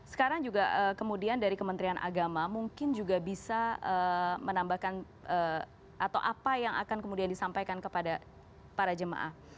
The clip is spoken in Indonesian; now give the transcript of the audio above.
sekarang juga kemudian dari kementerian agama mungkin juga bisa menambahkan atau apa yang akan kemudian disampaikan kepada para jemaah